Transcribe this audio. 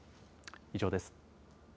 以上です。